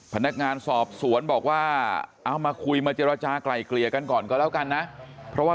พนักงานสอบสวนบอกว่า